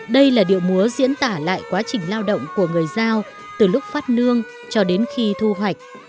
đây là điệu múa diễn tả lại quá trình lao động của người giao từ lúc phát nương cho đến khi thu hoạch